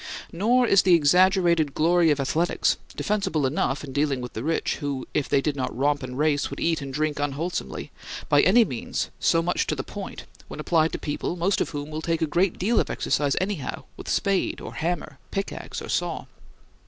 Nor is the exaggerated glory of athletics, defensible enough in dealing with the rich who, if they did not romp and race, would eat and drink unwholesomely, by any means so much to the point when applied to people, most of whom will take a great deal of exercise anyhow, with spade or hammer, pickax or saw.